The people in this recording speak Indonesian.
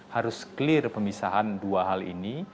harus clear pemisahan dua hal ini